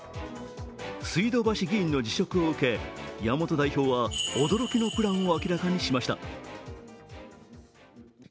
水道橋議員の辞職を受け、山本代表は驚きのプランを明らかにしました。